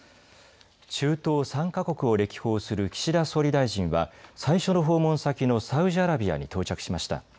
中東３か国を歴訪する岸田総理大臣は最初の訪問先のサウジアラビアに到着しました。